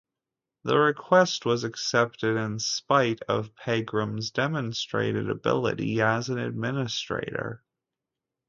This request was accepted, in spite of Pegram's demonstrated ability as an administrator.